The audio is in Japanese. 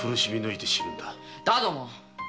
だども。